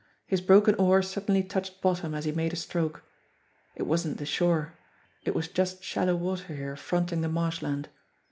His broken oar suddenly touched bottom as he made a stroke. It wasn't the shore it was just shallow water here fronting the marshland.